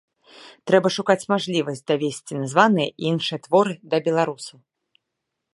Трэба шукаць мажлівасць давесці названыя і іншыя творы да беларусаў.